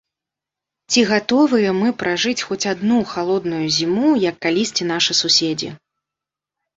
Ці гатовыя мы пражыць хоць адну халодную зіму, як калісьці нашы суседзі?